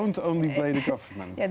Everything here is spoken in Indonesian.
jangan menyerahkan ke keadaan